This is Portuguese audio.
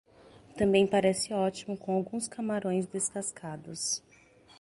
Também parece ótimo com alguns camarões descascados.